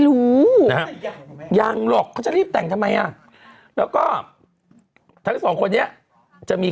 รู้นะฮะยังหรอกเขาจะรีบแต่งทำไมอ่ะแล้วก็ทั้งสองคนนี้จะมี